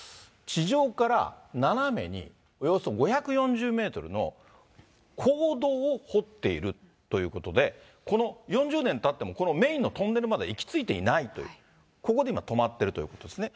地上から斜めにおよそ５４０メートルのこうどうを掘っているということで、この４０年たっても、このメインのトンネルまでは行きついていないという、ここで今止まってるっていうことですね。